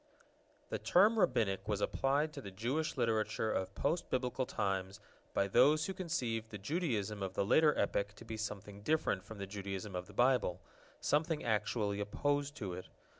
The term Rabbinic was applied to the Jewish Literature of post Biblical times by those who conceived the Judaism of the later epoch to be something different from the Judaism of the Bible, something actually opposed to it.